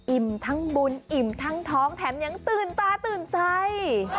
ทั้งบุญอิ่มทั้งท้องแถมยังตื่นตาตื่นใจ